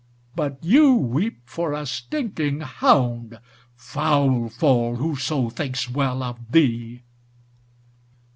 But you weep for a stinking hound. Foul fall whoso thinks well of thee!"